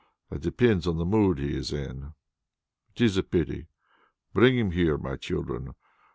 That depends on the mood he is in. It is a pity. Bring him here, my children.